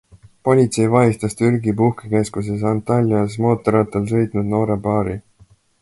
Politsei vahistas Türgi puhkekeskuses Antalyas mootorrattal sõitnud noore paari.